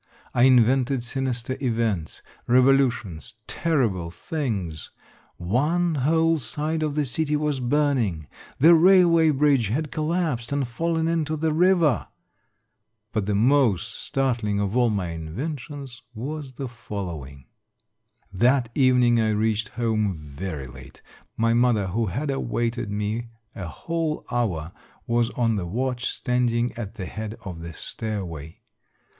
I invented sinister events, revolutions, terrible things ; one whole side of the city was burning, the railway bridge had collapsed, and fallen into the river ! But the most startling of all my inventions was the following : That evening I reached home very late. My mother, who had awaited me a whole hour, was on the watch, standing at the head of the stairway.